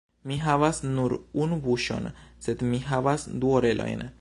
Mi havas nur unu buŝon, sed mi havas du orelojn.